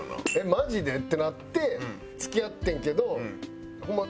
マジで？ってなって付き合ってんけどホンマ